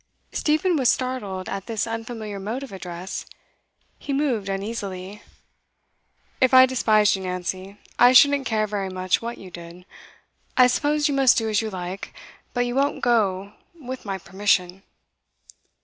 Stephen was startled at this unfamiliar mode of address. He moved uneasily. 'If I despised you, Nancy, I shouldn't care very much what you did. I suppose you must do as you like, but you won't go with my permission.